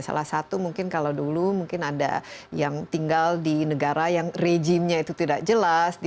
salah satu mungkin kalau dulu mungkin ada yang tinggal di negara yang rejimnya itu tidak jelas